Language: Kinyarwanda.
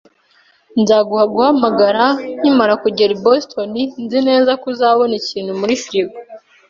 Nzaguha guhamagara nkimara kugera i Boston Nzi neza ko uzabona ikintu muri firigo